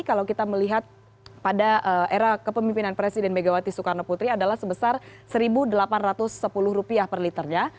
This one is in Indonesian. kalau kita melihat pada era kepemimpinan presiden megawati soekarno putri adalah sebesar rp satu delapan ratus sepuluh per liternya